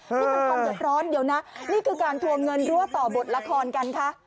ความหยดร้อนเดี๋ยวนะนี่คือการทวงเงินรั่วต่อบทละครกันค่ะ